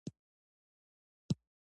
مسوولیت منلو ته اړتیا لري